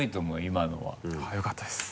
今のはあぁよかったです。